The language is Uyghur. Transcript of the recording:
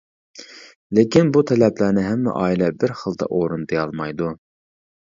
لېكىن، بۇ تەلەپلەرنى ھەممە ئائىلە بىر خىلدا ئورۇندىيالمايدۇ.